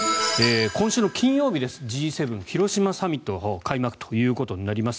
今週の金曜日、Ｇ７広島サミット開幕ということになります。